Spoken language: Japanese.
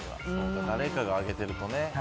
誰かがあげてるとね。